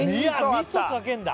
みそかけんだ